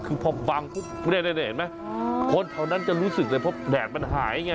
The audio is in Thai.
คือพอบังปุ๊บเห็นไหมคนแถวนั้นจะรู้สึกเลยเพราะแดดมันหายไง